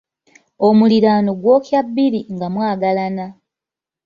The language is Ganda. Omuliraano gwokya bbiri nga mwagalana.